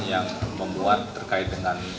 yang membuat terkait dengan